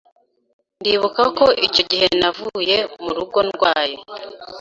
ndibuka ko icyo gihe navuye mu rugo ndwaye